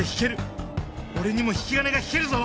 俺にも引き金が引けるぞ